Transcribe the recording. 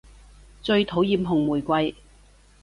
最討厭紅玫瑰